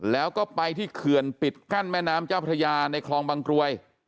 แล้วก็ไปที่เขื่อนปิดกั้นแม่น้ำเจ้าพระยาในคลองบางกรวย